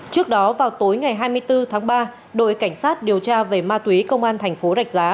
trước đó vào tối ngày hai mươi bốn tháng ba đội cảnh sát điều tra về ma túy công an thành phố rạch giá